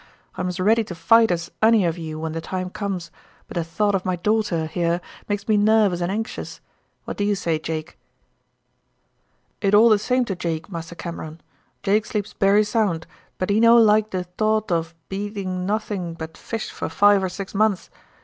I am as ready to fight as ony o' you when the time comes, but the thought o' my daughter, here, makes me nervous and anxious. What do you say, Jake?" "It all de same to Jake, Massa Cameron. Jake sleeps bery sound, but he no like de tought ob eating nothing but fish for five or six months.